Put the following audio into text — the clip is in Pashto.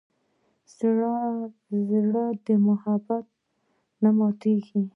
زړه د محبت نه ماتېږي.